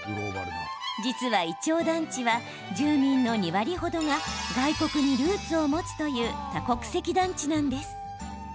実は、いちょう団地は住民の２割程が外国にルーツを持つという多国籍団地なんです。